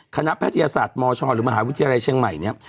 แพทยศาสตร์มชหรือมหาวิทยาลัยเชียงใหม่เนี่ย